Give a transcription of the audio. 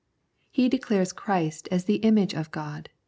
He declares Christ as the Image of God (ch.